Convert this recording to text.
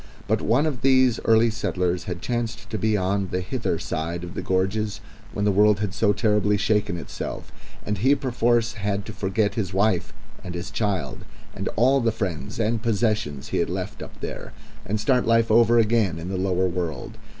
But one of these early settlers had chanced to be on the hither side of the gorges when the world had so terribly shaken itself, and he perforce had to forget his wife and his child and all the friends and possessions he had left up there, and start life over again in the lower world.